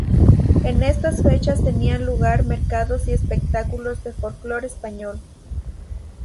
En estas fechas tenían lugar mercados y espectáculos de folclore español.